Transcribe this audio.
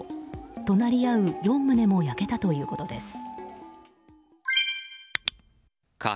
隣り合う４棟も焼けたということです。